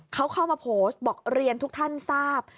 เขาเข้ามาโพสต์บอกเรียนทุกท่านทราบ